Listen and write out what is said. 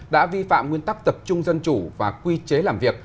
đã vi phạm nguyên tắc tập trung dân chủ và quy chế làm việc